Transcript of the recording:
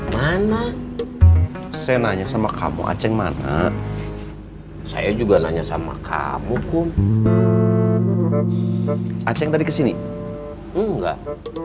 mana saya nanya sama kamu aceh mana saya juga nanya sama kamuku aceh tadi kesini enggak